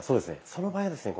その場合はですね